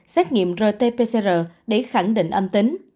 xét nghiệm rt pcr để khẳng định âm tính